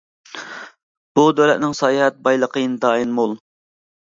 بۇ دۆلەتنىڭ ساياھەت بايلىقى ئىنتايىن مول.